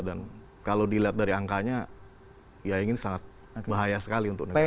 dan kalau dilihat dari angkanya ya ini sangat bahaya sekali untuk negara